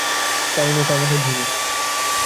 কারণ ওটা আমাদের ভূমি।